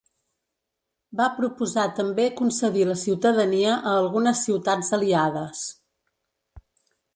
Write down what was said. Va proposar també concedir la ciutadania a algunes ciutats aliades.